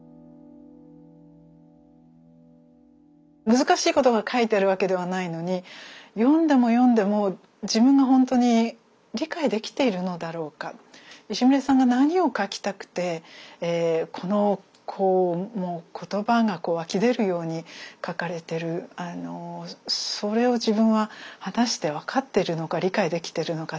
難しいことが書いてあるわけではないのに読んでも読んでも自分がほんとに理解できているのだろうか石牟礼さんが何を書きたくてこのもう言葉が湧き出るように書かれているそれを自分は果たして分かってるのか理解できてるのかって